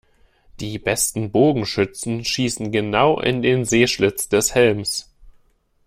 Die besten Bogenschützen schießen genau in den Sehschlitz des Helms.